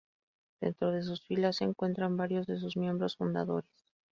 Dentro de sus filas se encuentran varios de sus miembros fundadores.